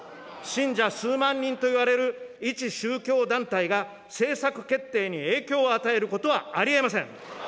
信者数万人といわれる一宗教団体が、政策決定に影響を与えることはありえません。